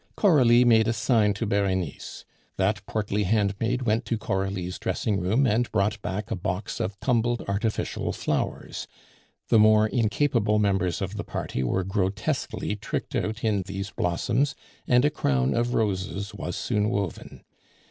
Coralie made a sign to Berenice. That portly handmaid went to Coralie's dressing room and brought back a box of tumbled artificial flowers. The more incapable members of the party were grotesquely tricked out in these blossoms, and a crown of roses was soon woven.